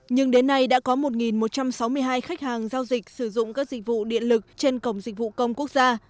nhưng đến nay đã có một một trăm sáu mươi hai khách hàng giao dịch sử dụng các dịch vụ điện lực trên cổng dịch vụ công quốc gia